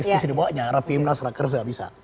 istri istri bawahnya rapi munas raker segala macam